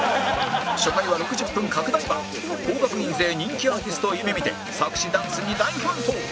初回は６０分拡大版高額印税人気アーティストを夢見て作詞ダンスに大奮闘